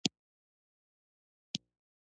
په افریقا کې دا پدیده لا پسې پراخه شوه.